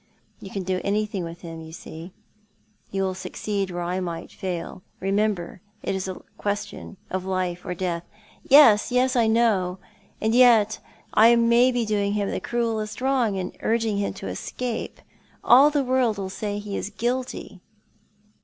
You can do anything with him, you see. You will succeed where I might fail. Kemember, it is a question of life or death "" Yes, yes, I know, and yet I may be doing him the cruelest wrong in urging him to escape. All the world will say he is guilty."